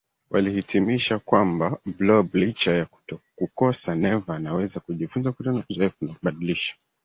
walihitimisha kwamba Blob licha ya kukosa neva anaweza kujifunza kutokana na uzoefu na kubadilisha